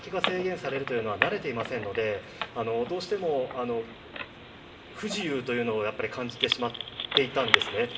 行き先が制限されるというのは慣れていませんのでどうしても、不自由というのを感じてしまっていたんですね。